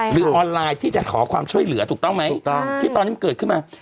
ออนไลน์ที่จะขอความช่วยเหลือถูกต้องไหมถูกต้องที่ตอนนี้มันเกิดขึ้นมา